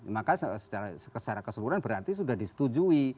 maka secara keseluruhan berarti sudah disetujui